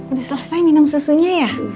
udah selesai minum susunya ya